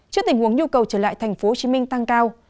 trước tình huống nhu cầu trở lại tp hcm tăng cao